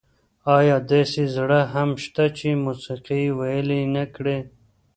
ایا داسې زړه هم شته چې موسيقي یې ویلي نه کړي؟